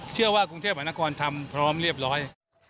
เชื่อว่ากรุงเทพมหานครทำพร้อมเรียบร้อย